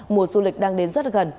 mùa du lịch đang đến rất gần